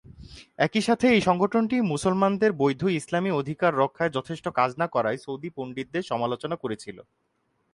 একই সাথে এই সংগঠনটি মুসলমানদের বৈধ ইসলামী অধিকার রক্ষায় যথেষ্ট কাজ না করায় সৌদি পণ্ডিতদের সমালোচনা করেছিল।